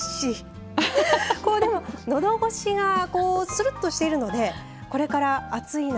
こうでも喉越しがするっとしているのでこれから暑い夏